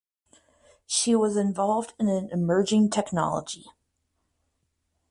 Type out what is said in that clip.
She was involved in an emerging technology.